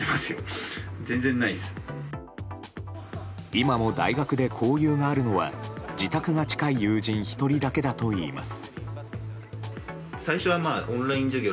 今も大学で交友があるのは自宅が近い友人１人だけだといいます。